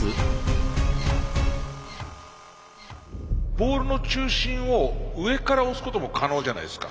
ボールの中心を上から押すことも可能じゃないですか。